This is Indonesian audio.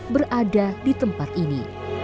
berada di tempat ini